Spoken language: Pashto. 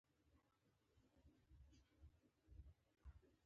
تاسو ساز وهئ؟